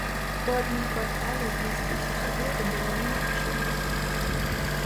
У адным квартале змясціць усё гэта было немагчыма.